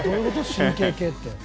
神経系って」